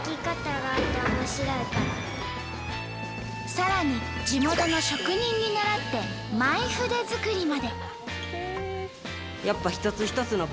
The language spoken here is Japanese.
さらに地元の職人に習ってＭｙ筆作りまで。